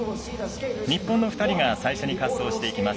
日本の２人が最初に滑走していきます。